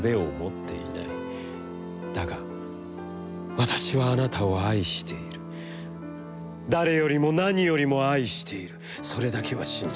だが、私はあなたを愛している、誰よりも、何よりも、愛している、それだけは信じてくれ。